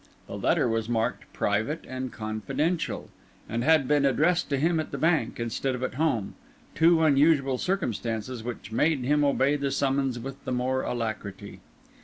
The letter was marked "Private and Confidential," and had been addressed to him at the bank, instead of at home—two unusual circumstances which made him obey the summons with the more alacrity.